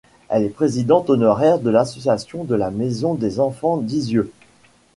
Elle est présidente honoraire de l'association de la Maison des enfants d'Izieu.